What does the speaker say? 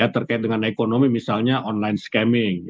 terkait dengan ekonomi misalnya online scamming